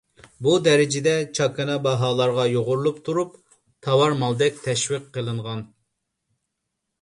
بۇ دەرىجىدە چاكىنا باھالارغا يۇغۇرۇپ تۇرۇپ تاۋار مالدەك تەشۋىق قىلىنغان.